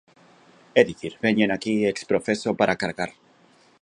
É dicir, veñen aquí ex profeso para cargar.